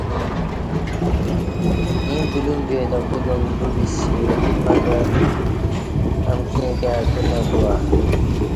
ییں بلیوک جائی تہ کودیوم دی ڈو بسی مگر امکی ایں کائی اتو نہ گواہ